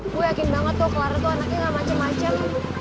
gue yakin banget tuh kelar itu anaknya gak macem macem